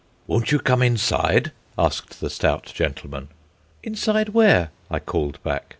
"Won't you come inside?" asked the stout gentleman. "Inside where?" I called back.